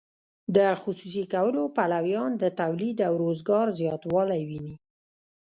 د خصوصي کولو پلویان د تولید او روزګار زیاتوالی ویني.